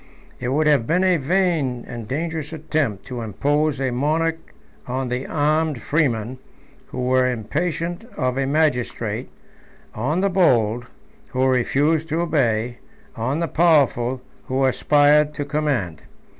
It would have been a vain and dangerous attempt to impose a monarch on the armed freemen, who were impatient of a magistrate; on the bold, who refused to obey; on the powerful, who aspired to command.